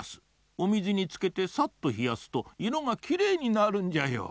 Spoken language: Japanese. お水につけてさっとひやすと色がきれいになるんじゃよ。